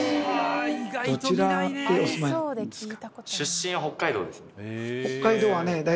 どちらにお住まいなんですか？